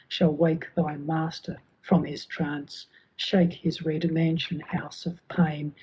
Shall wake Thy Master from his trance. Shake his red mansion house of pain.